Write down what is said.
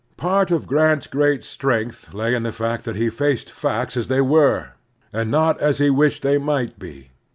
Part of Grant's great strength lay in the fact that he faced facts as they were, and not as he wished they might be.